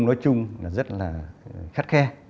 nói chung rất là khắt khe